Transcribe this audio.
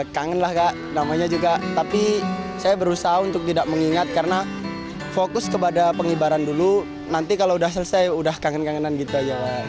kangen lah kak namanya juga tapi saya berusaha untuk tidak mengingat karena fokus kepada pengibaran dulu nanti kalau udah selesai udah kangen kangenan gitu aja